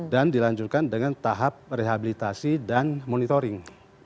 dan dilanjutkan dengan tahap rehabilitasi dan monitoring